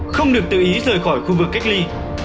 không được tự ý rời khỏi khu vực cách ly